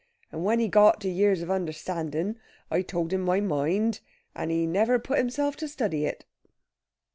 And when he got to years of understanding I told him my mind, and he never put himself to study it."